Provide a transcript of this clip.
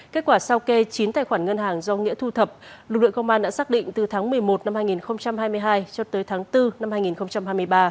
kết quả sau kê chín tài khoản ngân hàng do nghĩa thu thập lực lượng công an đã xác định từ tháng một mươi một năm hai nghìn hai mươi hai cho tới tháng bốn năm hai nghìn hai mươi ba